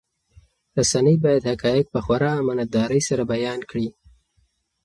رسنۍ باید حقایق په خورا امانتدارۍ سره بیان کړي.